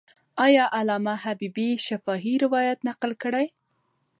آیا علامه حبیبي شفاهي روایت نقل کړی؟